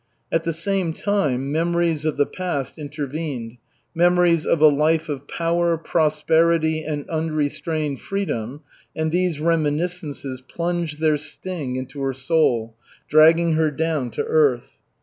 At the same time memories of the past intervened, memories of a life of power, prosperity and unrestrained freedom, and these reminiscences plunged their sting into her soul, dragging her down to earth.